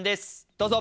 どうぞ。